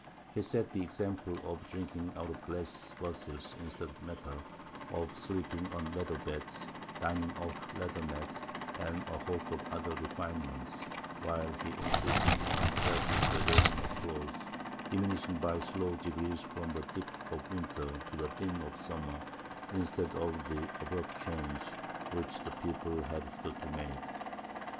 He set the example of drinking out of glass vessels instead of metal, of sleeping on leather beds, dining off leather mats, and a host of other refinements; while he insisted on a careful gradation of clothes, diminishing by slow degrees from the thick of winter to the thin of summer, instead of the abrupt change which the people had hitherto made.